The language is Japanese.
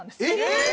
えっ！